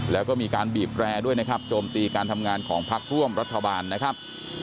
แล้วก็มีการบีบแรร์ด้วยนะครับโจมตีการทำงานของพักร่วมรัฐบาลนะครับ